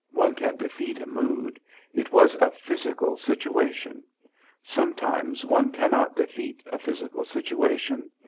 One can defeat a mood. It was a physical situation. Sometimes one cannot defeat a physical situation.